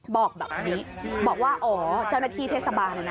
บอกแบบนี้บอกว่าอ๋อเจ้าหน้าที่เทศบาล